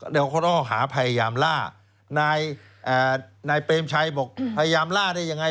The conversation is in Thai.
แล้วก็หาพยายามล่านายเปรมชัยบอกพยายามล่าได้ยังไง